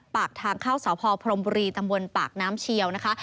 ปากทางเข้าสพพรมบุรีตำบลปากน้ำเชียวนะคะ